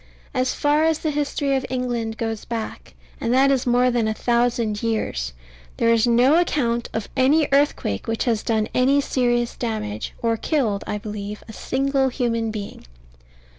As far as the history of England goes back, and that is more than a thousand years, there is no account of any earthquake which has done any serious damage, or killed, I believe, a single human being.